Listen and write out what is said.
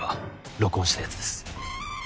録音したやつです。